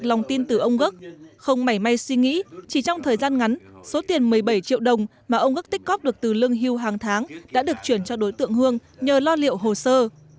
lòng tin từ ông gốc không mảy may suy nghĩ chỉ trong thời gian ngắn số tiền một mươi bảy triệu đồng mà ông ước tích cóp được từ lương hưu hàng tháng đã được chuyển cho đối tượng hương nhờ lo liệu hồ sơ